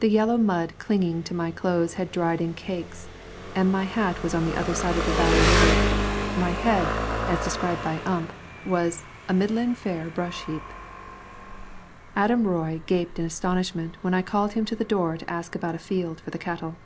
The yellow mud clinging to my clothes had dried in cakes, and as my hat was on the other side of the Valley River, my head, as described by Ump, was a "middlin' fair brush heap." Adam Roy gaped in astonishment when I called him to the door to ask about a field for the cattle.